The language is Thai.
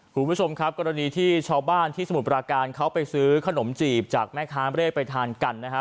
คุณผู้ชมครับกรณีที่ชาวบ้านที่สมุทรปราการเขาไปซื้อขนมจีบจากแม่ค้าไม่ได้ไปทานกันนะฮะ